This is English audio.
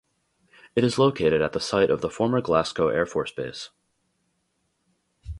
It is located at the site of the former Glasgow Air Force Base.